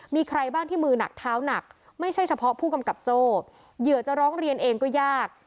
มีใครบ้างที่มือหนักเท้าหนักไม่ใช่เฉพาะผู้กำกับโจ้เหยื่อจะร้องเรียนเองก็ยาก